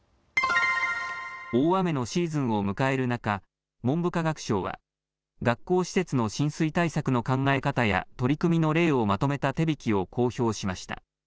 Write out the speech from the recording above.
大雨のシーズンを迎える中、文部科学省は学校施設の浸水対策の考え方や取り組みの例をまとめた手引を公表しました。